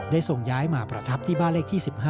ส่งย้ายมาประทับที่บ้านเลขที่๑๕